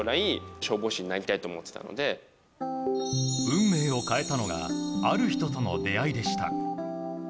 運命を変えたのがある人との出会いでした。